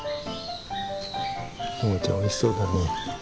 ノガーちゃんおいしそうだね。